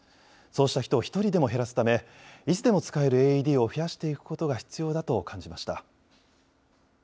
そうした人を一人でも減らすため、いつでも使えるＡＥＤを増やしていくことが必要だと感じました。